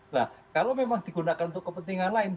nah kalau memang digunakan untuk kepentingan lain